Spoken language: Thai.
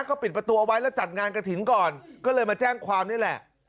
ก็ปิดประตูเอาไว้แล้วจัดงานกระถิ่นก่อนก็เลยมาแจ้งความนี่แหละ